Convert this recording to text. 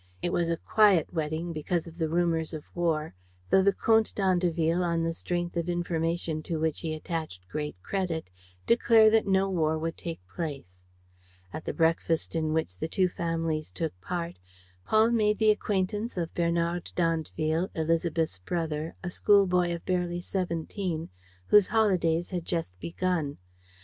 It was a quiet wedding, because of the rumors of war, though the Comte d'Andeville, on the strength of information to which he attached great credit, declared that no war would take place. At the breakfast in which the two families took part, Paul made the acquaintance of Bernard d'Andeville, Élisabeth's brother, a schoolboy of barely seventeen, whose holidays had just begun.